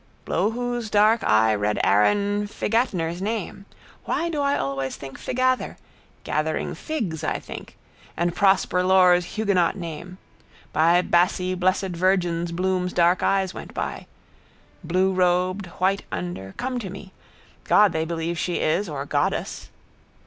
Bloowhose dark eye read Aaron Figatner's name. Why do I always think Figather? Gathering figs, I think. And Prosper Loré's huguenot name. By Bassi's blessed virgins Bloom's dark eyes went by. Bluerobed, white under, come to me. God they believe she is: or goddess.